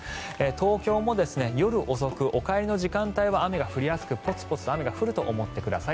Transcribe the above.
東京も夜遅く、お帰りの時間帯は雨が降りやすくポツポツと雨が降ると思ってください。